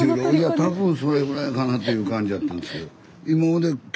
多分それぐらいかなという感じやったんですけど。